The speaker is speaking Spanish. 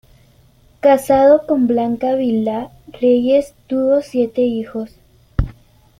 Casado con Blanca Vilá Reyes, tuvo siete hijos.